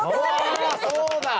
あそうだ！